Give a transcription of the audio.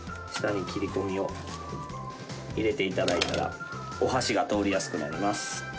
下に切り込みを入れて頂いたらお箸が通りやすくなります。